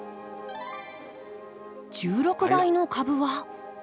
１６倍の株は。